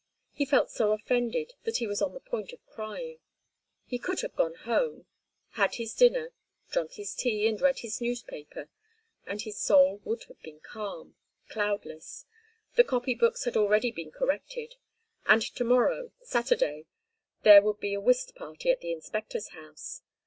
He felt so offended that he was on the point of crying. He could have gone home, had his dinner, drunk his tea and read his news paper—and his soul would have been calm, cloudless; the copy books had already been corrected, and to morrow, Saturday, there would be a whist party at the inspector's house.